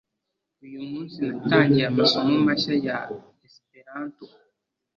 Uyu munsi natangiye amasomo mashya ya Esperanto.